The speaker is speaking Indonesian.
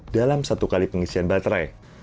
dalam satu kali pengisian baterai